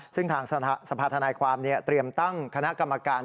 ซึ่งทางสภาธนายความเตรียมตั้งคณะกรรมการ